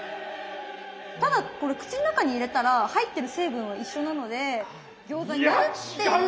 ただこれ口の中に入れたら入ってる成分は一緒なので餃子かなっていう。